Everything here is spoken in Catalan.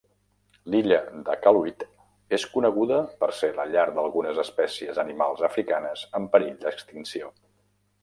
L'illa de Calauit és coneguda per ser la llar d'algunes espècies animals africanes en perill d'extinció.